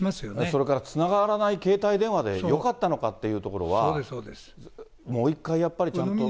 それからつながらない携帯電話でよかったのかっていうところは、もう一回やっぱりちゃんと。